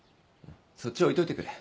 そっち置いといてくれ。